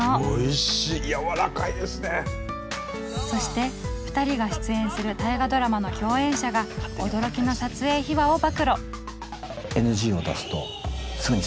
そして２人が出演する大河ドラマの共演者が驚きの撮影秘話を暴露。